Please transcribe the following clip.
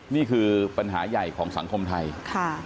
นี่คือปัญหาใหญ่ของสังคมไทยค่ะ